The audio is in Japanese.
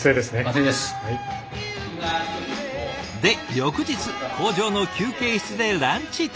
工場の休憩室でランチタイム。